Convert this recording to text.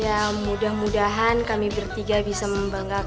ya mudah mudahan kami bertiga bisa membanggakan